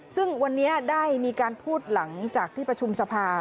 ซึ่งวันนี้ได้มีการพูดหลังจากที่ประชุมสภา